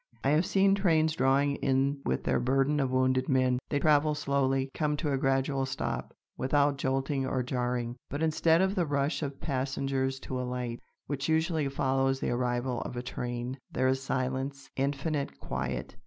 I have seen trains drawing in with their burden of wounded men. They travel slowly, come to a gradual stop, without jolting or jarring; but instead of the rush of passengers to alight, which usually follows the arrival of a train, there is silence, infinite quiet.